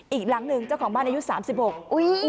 อีกหลังหนึ่งเจ้าของบ้านอายุ๓๖